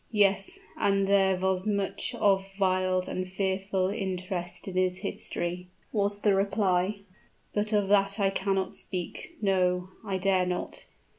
"Yes, and there was much of wild and fearful interest in his history," was the reply; "but of that I cannot speak no, I dare not.